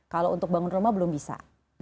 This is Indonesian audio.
kalau untuk bangun rumah belum bisa